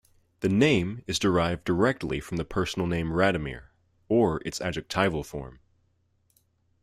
The name is derived directly from the personal name "Radomir" or its adjectival form.